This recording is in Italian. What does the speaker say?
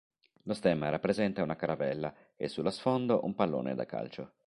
Lo stemma rappresenta una caravella e, sullo sfondo, un pallone da calcio.